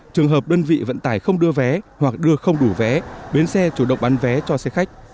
trường hợp đơn vị vận tải không đưa vé hoặc đưa không đủ vé bến xe chủ động bán vé cho xe khách